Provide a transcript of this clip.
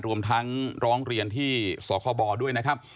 รวมทั้งร้องเรียนที่สคบด้วยนะครับ